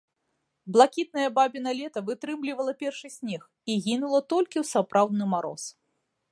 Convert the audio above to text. Блакітнае бабіна лета вытрымлівала першы снег і гінула толькі ў сапраўдны мароз.